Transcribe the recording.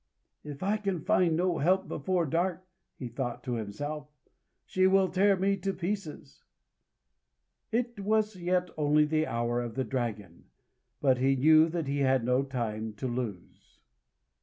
"If I can find no help before dark," he thought to himself, "she will tear me to pieces." It was yet only the Hour of the Dragon; but he knew that he had no time to lose.